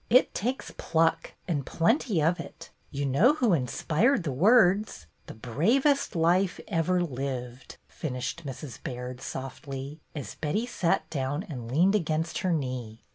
"It takes pluck and plenty of it. You know Who inspired the words — the bravest life ever lived," finished Mrs. Baird, softly, as Betty sat down and leaned against her knee.